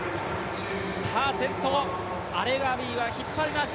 先頭、アレガウィが引っ張ります。